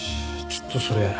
ちょっとそれいい？